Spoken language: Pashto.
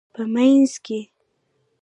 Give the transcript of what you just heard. په مینځ کې